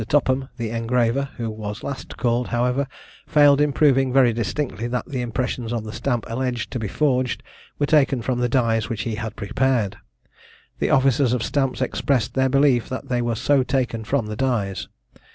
Topham, the engraver, who was last called, however, failed in proving very distinctly, that the impressions on the stamp alleged to be forged were taken from the dies which he had prepared. The officers of stamps expressed their belief that they were so taken from the dies.